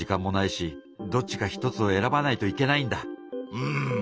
うん。